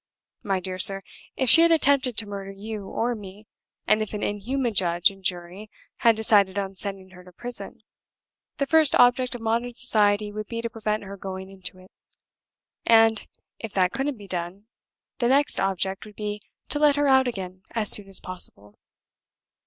My dear sir, if she had attempted to murder you or me, and if an inhuman judge and jury had decided on sending her to a prison, the first object of modern society would be to prevent her going into it; and, if that couldn't be done, the next object would be to let her out again as soon as possible.